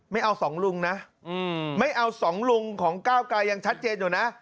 ไม่เอาสองลุงนะไม่เอาสองลุงของก้าวกายยังชัดเจนอยู่นะ